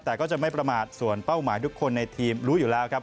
แต่ก็จะไม่ประมาทส่วนเป้าหมายทุกคนในทีมรู้อยู่แล้วครับ